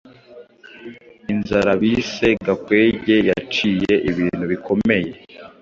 inzara bise gakwege yaciye ibintu bikomeye.